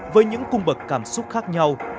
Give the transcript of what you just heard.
với những cung bậc cảm xúc khác nhau